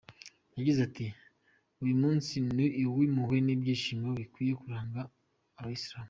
Yagize ati “Uyu munsi ni uw’impuhwe n’ibyishimo bikwiye kuranga abayisilamu.